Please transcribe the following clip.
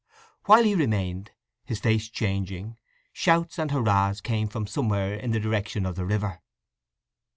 While he remained, his face changing, shouts and hurrahs came from somewhere in the direction of the river.